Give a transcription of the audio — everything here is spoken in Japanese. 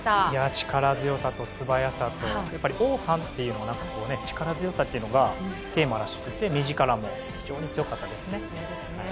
力強さと素早さとオーハンというのは力強さというのがテーマらしくて目力も非常に強かったですね。